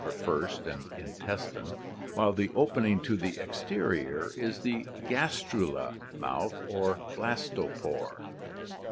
apx , first, and hntpop, intestine), while the opening to the exterior is the gastrula mouth or blastopore.